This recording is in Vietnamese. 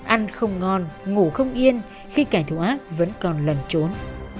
ăn không ngon ngủ không yên khi kẻ thù ác vẫn còn lẩn trốn